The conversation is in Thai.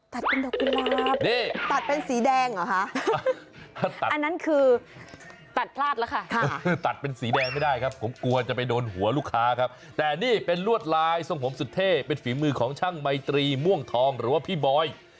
ดอกกุหลาบนี่ตัดเป็นสีแดงเหรอคะตัดอันนั้นคือตัดพลาดแล้วค่ะตัดเป็นสีแดงไม่ได้ครับผมกลัวจะไปโดนหัวลูกค้าครับแต่นี่เป็นลวดลายทรงผมสุดเท่เป็นฝีมือของช่างไมตรีม่วงทองหรือว่าพี่บอย